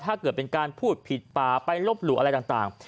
ถ้าเกิดเป็นการพูดผิดป่าไปลบหลู่อะไรต่าง